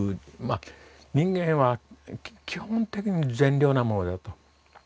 人間は基本的に善良なものだよと。